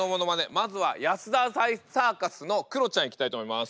まずは安田大サーカスのクロちゃんいきたいと思います。